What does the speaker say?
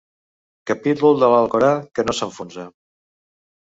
Capítol de l'Alcorà que no s'enfonsa.